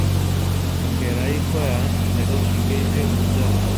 بەخێرایی خۆیان لەگەڵ ژینگەی نوێ گونجاند.